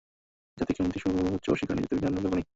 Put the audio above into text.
জাতিকে উন্নতির সুউচ্চ শিখরে নিয়ে যেতে বিজ্ঞানের বিকল্প নেই।